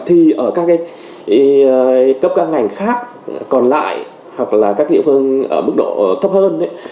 thì ở các cái cấp các ngành khác còn lại hoặc là các địa phương ở mức độ thấp hơn